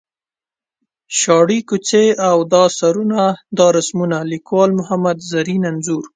شاړې کوڅې او دا سرونه دا رسمونه ـ لیکوال محمد زرین انځور.